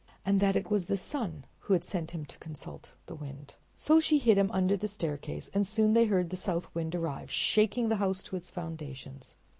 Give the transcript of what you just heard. And that it was the sun who had sent him to consult the wind. So she hid him under the staircase, and soon they heard the south wind arrive, shaking the house to its foundations.